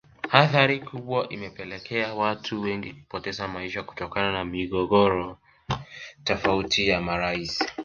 Athari kubwa imepelekea watu wengi kupoteza maisha kutokana na migogoro tofauti ya marais